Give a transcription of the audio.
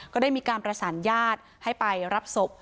ก็ได้มีการประสานญาติให้ไปรับศพ